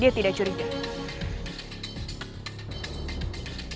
dia tidak mencurigai